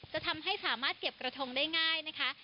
จะทำให้สามารถเก็บกระทงได้ง่ายนะคะ